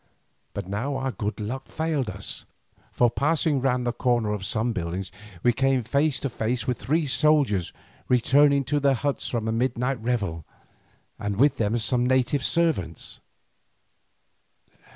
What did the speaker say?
But now our good luck failed us, for passing round the corner of some buildings, we came face to face with three soldiers returning to their huts from a midnight revel, and with them some native servants.